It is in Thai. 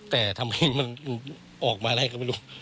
แต่ทำไมมันออกมาได้ก็ไม่รู้